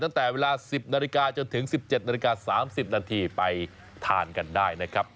ตั้งแต่เวลา๑๐นาฬิกาจนถึง๑๗นาฬิกา๓๐นาทีไปทานกันได้นะครับ